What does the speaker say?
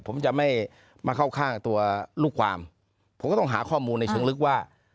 ผมจะไม่มาเข้าข้างตัวลูกความผมก็ต้องหาข้อมูลในเชิงลึกว่า